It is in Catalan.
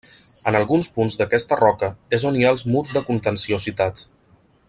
En alguns punts d'aquesta roca és on hi ha els murs de contenció citats.